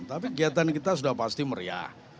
tapi kegiatan kita sudah pasti meriah